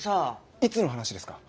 いつの話ですか？